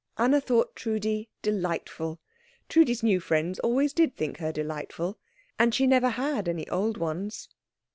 Anna thought Trudi delightful. Trudi's new friends always did think her delightful; and she never had any old ones.